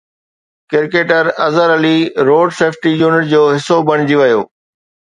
cricketer Azhar Ali road safety unit جو حصو بڻجي ويو